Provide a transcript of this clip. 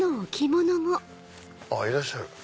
あっいらっしゃる！